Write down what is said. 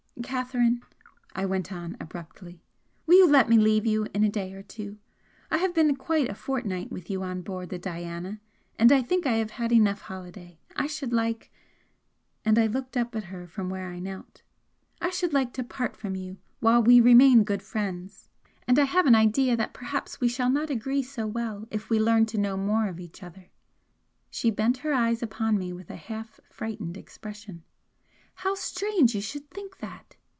"Catherine," I went on, abruptly "Will you let me leave you in a day or two? I have been quite a fortnight with you on board the 'Diana,' and I think I have had enough holiday. I should like" and I looked up at her from where I knelt "I should like to part from you while we remain good friends and I have an idea that perhaps we shall not agree so well if we learn to know more of each other." She bent her eyes upon me with a half frightened expression. "How strange you should think that!"